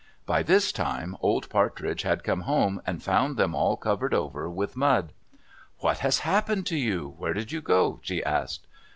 By this time Old Partridge had got home, and found them all covered over with mud. "What has happened to you? Where did you go?" she asked.